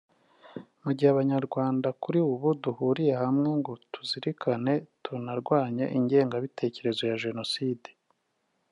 Mu gihe abanyarwanda kuri ubu duguriye hamwe ngo tuzirikane tunarwanye ingengabitekerezo ya Jenoside